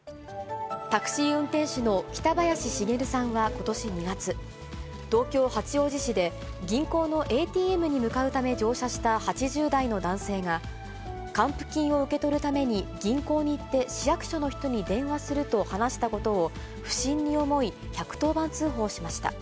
タクシー運転手の北林繁さんはことし２月、東京・八王子市で、銀行のＡＴＭに向かうため乗車した８０代の男性が、還付金を受け取るために銀行に行って市役所の人に電話すると話したことを不審に思い、１１０番通報しました。